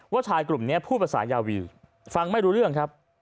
ว่าชายกลุ่มนี้ผู้ประสาทยาวีฟังไม่รู้เรื่องครับ